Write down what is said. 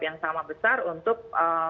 yang sama besar untuk